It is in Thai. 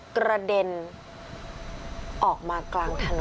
กระเด็นออกมากลางถนน